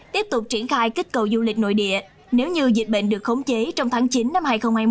tiếp tục triển khai kích cầu du lịch nội địa nếu như dịch bệnh được khống chế trong tháng chín năm hai nghìn hai mươi